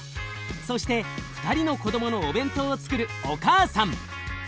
そして２人の子どものお弁当をつくるお母さん。